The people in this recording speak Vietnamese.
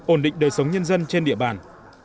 ổn định đời sống nhân dân trên địa bàn